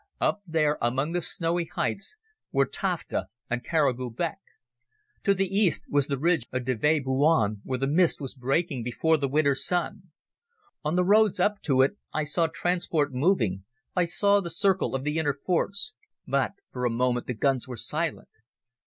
Up there, among the snowy heights, were Tafta and Kara Gubek. To the east was the ridge of Deve Boyun, where the mist was breaking before the winter's sun. On the roads up to it I saw transport moving, I saw the circle of the inner forts, but for a moment the guns were silent.